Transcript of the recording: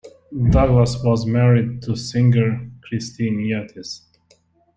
Douglass was married to singer Christine Yates.